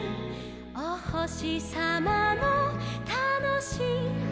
「おほしさまのたのしいはなし」